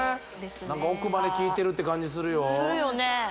奥まで効いてるって感じするよするよね